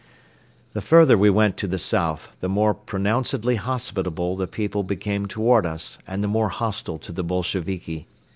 The further we went to the south, the more pronouncedly hospitable the people became toward us and the more hostile to the Bolsheviki.